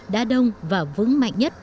đã đông và vững mạnh nhất